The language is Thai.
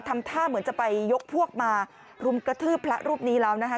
ทำท่าเหมือนจะไปยกพวกมารุมกระทืบพระรูปนี้แล้วนะคะ